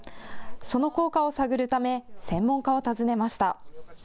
その効果を探るため専門家を訪ねました。